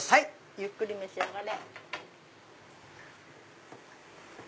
ゆっくり召し上がれ。